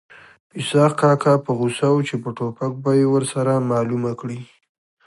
اسحق کاکا په غوسه و چې په ټوپک به یې ورسره معلومه کړي